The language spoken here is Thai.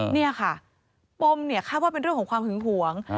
เนี่ยค่ะผมคาดว่าเป็นเรื่องของความหึงหวง